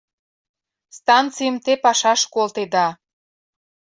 Станцийым те пашаш колтеда.